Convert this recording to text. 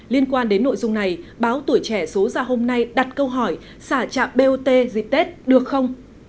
liên quan đến nội dung này báo tuổi trẻ số ra hôm nay đặt câu hỏi xả trạm bot dịp tết được không